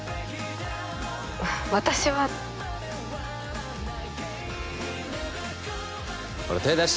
私はほら手出し